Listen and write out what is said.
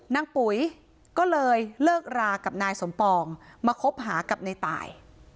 ปุ๋ยก็เลยเลิกรากับนายสมปองมาคบหากับในตาย